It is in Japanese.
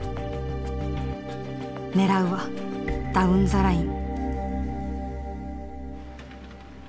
狙うはダウン・ザ・ライン。